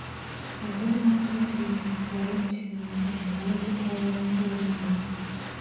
I didn't want to be a slave to somebody else's reading lists.